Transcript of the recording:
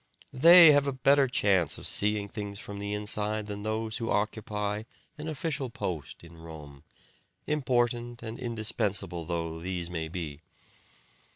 They have a better chance of seeing things from the inside than those who occupy an official post in Rome, important and indispensable though these may be.